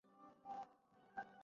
শুঁড় নিয়ে খেলার সময় শেষ, শোলা।